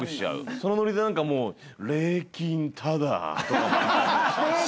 そのノリでなんか「霊金タダ！」とかも。